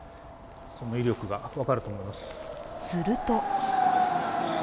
その威力が分かると思います。